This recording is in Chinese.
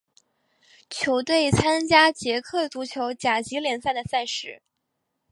球队参加捷克足球甲级联赛的赛事。